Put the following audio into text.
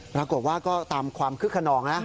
ปรากฏว่าก็ตามความคึกขนองนะ